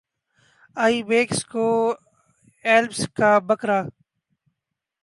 آئی backs کوہ Alps کا بکرا